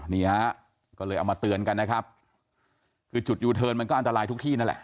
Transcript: นี่ฮะก็เลยเอามาเตือนกันนะครับคือจุดยูเทิร์นมันก็อันตรายทุกที่นั่นแหละ